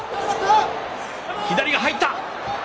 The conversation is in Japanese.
左が入った。